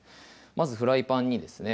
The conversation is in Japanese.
まずフライパンにですね